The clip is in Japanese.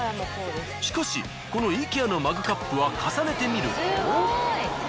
しかしこのイケアのマグカップは重ねてみると。